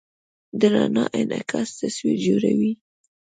د رڼا انعکاس تصویر جوړوي.